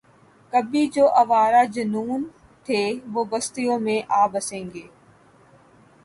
کبھی جو آوارۂ جنوں تھے وہ بستیوں میں آ بسیں گے